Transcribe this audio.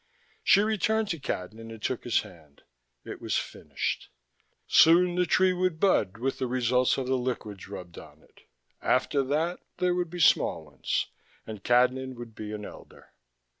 She returned to Cadnan and took his hand. It was finished. Soon the tree would bud with the results of the liquids rubbed on it: after that, there would be small ones, and Cadnan would be an elder.